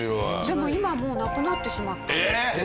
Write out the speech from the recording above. でも今もうなくなってしまったんですって。